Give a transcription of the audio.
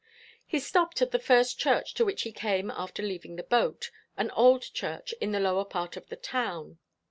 He stopped at the first church to which he came after leaving the boat an old church in the lower part of the town.